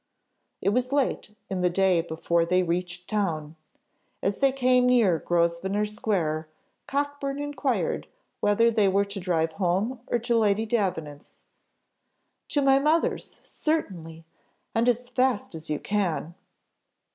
It was late in the day before they reached town. As they came near Grosvenor Square, Cockburn inquired whether they were to drive home, or to Lady Davenant's? "To my mother's, certainly, and as fast as you can."